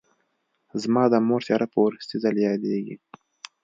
زما د مور څېره په وروستي ځل یادېږي